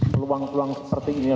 peluang peluang seperti ini